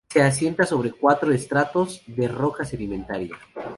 Se asienta sobre cuatro estratos de roca sedimentaria.